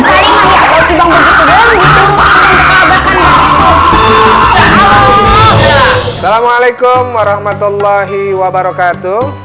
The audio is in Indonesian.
assalamualaikum warahmatullahi wabarakatuh